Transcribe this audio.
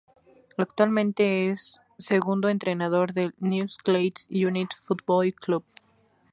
Actualmente es segundo entrenador del Newcastle United Football Club.